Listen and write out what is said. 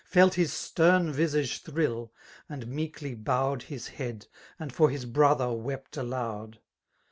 Felt his stern visage thriU^ and meekly bowed His heady and for his brother w^t aloud.